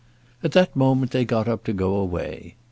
At that moment they got up to go away.